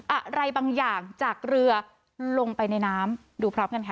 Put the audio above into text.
อะไรบางอย่างจากเรือลงไปในน้ำดูพร้อมกันค่ะ